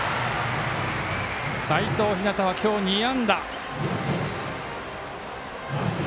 齋藤陽は今日２安打。